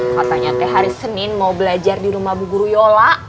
katanya teh hari senin mau belajar di rumah bu guru yola